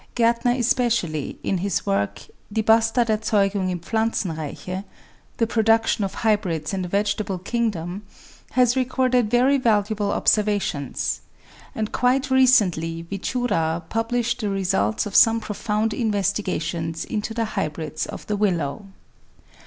Gartner especially, in his work "Die Bastarderzeugung im Pflanzenreiche " (The Pro duction of Hybrids in the Vegetable Kingdom), has recorded very valuable observations; and quite recently Wichura published the results of some profound investigations into the hybrids of the Willow.